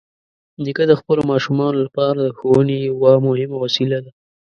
نیکه د خپلو ماشومانو لپاره د ښوونې یوه مهمه وسیله ده.